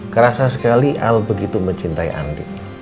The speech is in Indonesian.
kerasa sekali al begitu mencintai andi